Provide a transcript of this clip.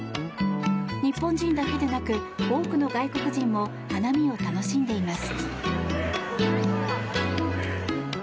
日本人だけでなく多くの外国人も花見を楽しんでいます。